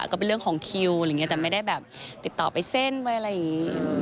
ก็เป็นเรื่องของคิวอะไรอย่างนี้แต่ไม่ได้แบบติดต่อไปเส้นไปอะไรอย่างนี้